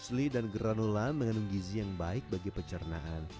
asli dan granula mengandung gizi yang baik bagi pencernaan